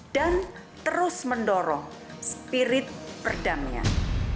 dan terus mendorong spirit perdamaian